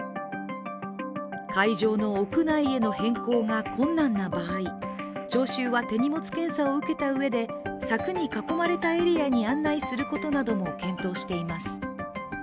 会場の屋内への変更が困難な場合聴衆は手荷物検査を受けたうえで柵に囲まれたエリアに案内することなども検討しています。